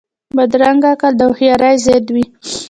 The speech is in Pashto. بدرنګه عقل د هوښیارۍ ضد وي